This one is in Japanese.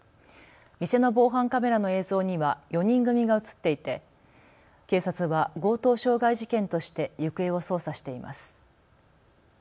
店の防犯カメラの映像には４人組が写っていて警察は強盗傷害事件として行方を捜査しています。